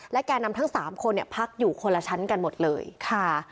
และแกนำทั้ง๓คนพักอยู่คนละชั้นกันหมดเลยค่ะ